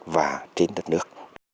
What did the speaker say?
và trên đất nước